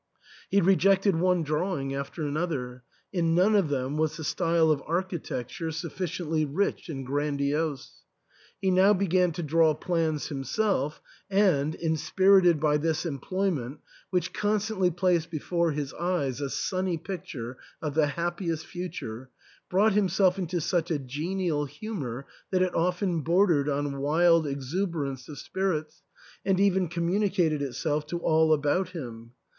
He rejected one drawing after another ; in none of them was the style of architecture sufficiently rich and grandiose. He now began to draw plans himself, and, inspirited by this employment, which constantly placed before his eyes a sunny picture of the happiest future, brought himself into such a genial humour that it often bordered on wild exuberance of spirits, and even communicated itself to all about him.